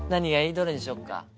どれにしようか？